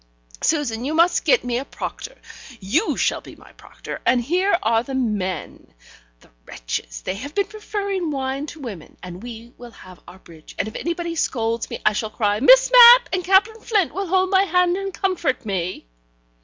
Susan, you must get me a proctor: you shall be my proctor. And here are the men the wretches, they have been preferring wine to women, and we will have our bridge, and if anybody scolds me, I shall cry, Miss Mapp, and Captain Flint will hold my hand and comfort me."